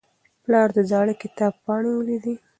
پلار د زاړه کتاب پاڼې ولیدې.